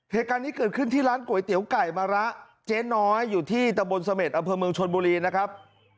เหตุการณ์นี้เกิดขึ้นที่ร้านก๋วยเตี๋ยวไก่มะระเจ๊น้อยอยู่ที่ตะบนเสม็ดอำเภอเมืองชนบุรีนะครับ